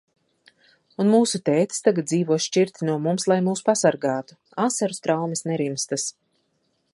Un mūsu tētis tagad dzīvo šķirti no mums, lai mūs pasargātu. Asaru straumes nerimstas.